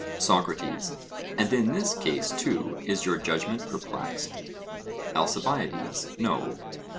SOCRATES: And in this case, too, is your judgment perplexed? ALCIBIADES: No.